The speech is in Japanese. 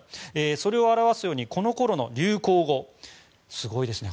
それを表すようにこのころの流行語、すごいですねすごいですね。